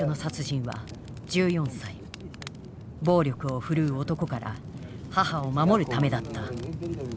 暴力を振るう男から母を守るためだった。